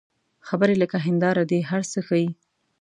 خبرې لکه هنداره دي، هر څه ښيي